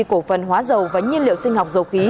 cổ phần hóa dầu và nhiên liệu sinh học dầu khí